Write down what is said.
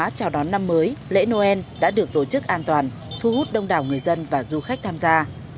chào đón năm mới lễ noel đã được tổ chức an toàn thu hút đông đảo người dân và du khách tham gia